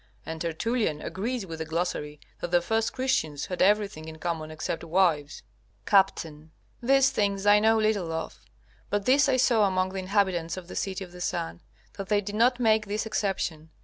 And Tertullian agrees with the Glossary, that the first Christians had everything in common except wives. Capt. These things I know little of. But this I saw among the inhabitants of the City of the Sun, that they did not make this exception.